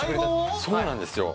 そうなんですよ